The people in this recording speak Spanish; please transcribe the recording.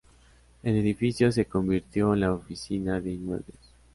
El edificio se convirtió en la oficina de inmuebles.